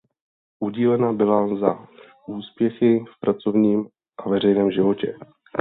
Udílena byla za úspěchy v pracovním a veřejném životě.